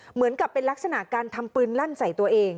เหมือนกับเป็นลักษณะการทำปืนลั่นใส่ตัวเอง